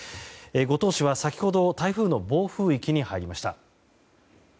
五島市は先ほど台風の暴風域に入りました。